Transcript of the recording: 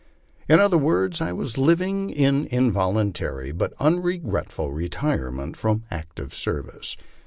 In other words, I was living in involuntary but unregretful retire ment from active service.